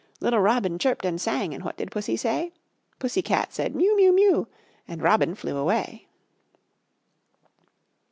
Little Robin chirped and sang, and what did Pussy say? Pussy Cat said: "Mew, mew, mew," and Robin flew away.